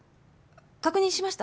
確認しました？